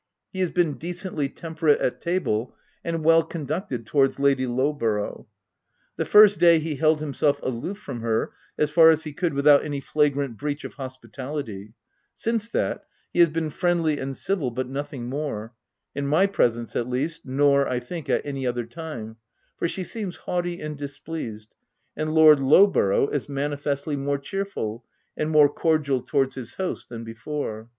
He has been 144 THE TENANT decently temperate at table, and well conducted towards Lady Lowborough; The first day ? he held himself aloof from her, as far as he could without any flagrant breach of hospitality : since that, he has been friendly and civil but nothing more — in my presence, at least, nor, I think, at any other time ; for she seems haughty and displeased, and Lord Lowborough is mani festly more cheerful, and more cordial towards his host than before.